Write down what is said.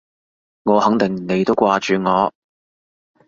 我肯定你都掛住我